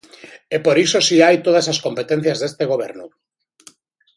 E por iso si hai todas as competencias deste goberno.